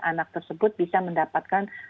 anak tersebut bisa mendapatkan